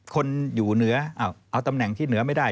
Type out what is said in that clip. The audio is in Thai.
คนอยู่เหนือเอาตำแหน่งที่เหนือไม่ได้